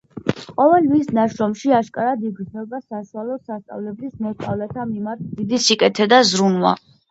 ყოველ მის ნაშრომში აშკარად იგრძნობა საშუალო სასწავლებლის მოსწავლეთა მიმართ დიდი სიკეთე და ზრუნვა.